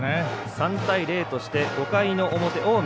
３対０として５回の表、近江。